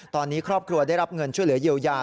ตอนนี้ครอบครัวได้รับเงินช่วยเหลือเยียวยา